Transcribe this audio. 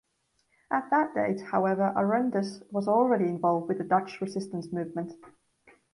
At that date, however, Arondeus was already involved with the Dutch resistance movement.